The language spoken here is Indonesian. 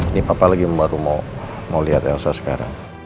ini papa lagi baru mau liat elsa sekarang